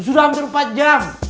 sudah lebih dari empat jam